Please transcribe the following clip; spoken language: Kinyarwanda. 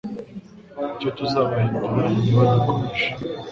Icyo tuzabahindura, niba dukomeje